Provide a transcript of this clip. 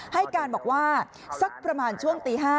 ให้การบอกว่าสักประมาณช่วงตี๕